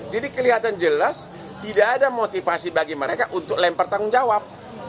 jadi kelihatan jelas tidak ada motivasi bagi mereka untuk melempar tanggung jawab